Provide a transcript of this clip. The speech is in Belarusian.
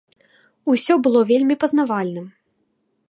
Усё было вельмі пазнавальным.